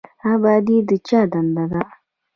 ابادي د چا دنده ده؟